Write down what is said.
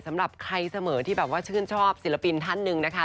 สำหรับใครเสมอที่แบบว่าชื่นชอบศิลปินท่านหนึ่งนะคะ